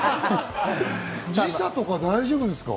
時差とか大丈夫ですか？